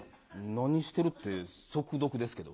何してるって速読ですけど。